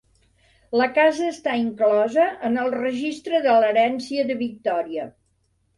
La casa està inclosa en el Registre de l'Herència de Victòria.